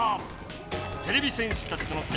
てれび戦士たちとのたい